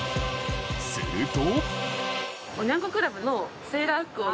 すると。